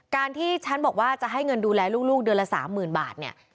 การที่ฉันบอกว่าจะให้เงินดูแลลูกเดือนละ๓๐๐๐บาทเนี่ย